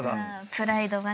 プライドがね。